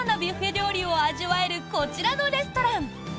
料理を味わえるこちらのレストラン。